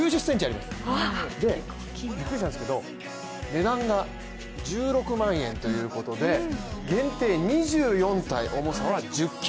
びっくりしたんですけど値段が１６万円ということで限定２４体、重さは１０ｋｇと。